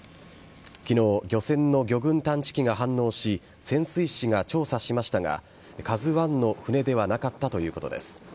昨日、漁船の魚群探知機が反応し潜水士が調査しましたが「ＫＡＺＵ１」の船ではなかったということです。